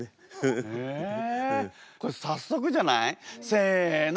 これ早速じゃない？せの。